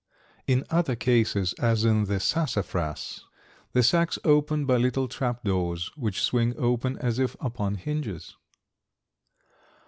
In other cases, as in the sassafras, the sacs open by little trap doors, which swing open as if upon hinges.